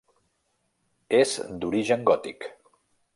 És d'origen gòtic.